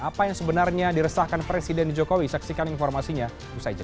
apa yang sebenarnya diresahkan presiden jokowi saksikan informasinya usai jeda